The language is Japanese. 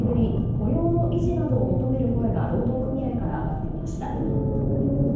雇用の維持などを求める声が労働組合から上がっていました。